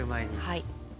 はい。